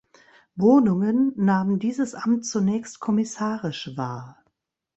Bodungen nahm dieses Amt zunächst kommissarisch war.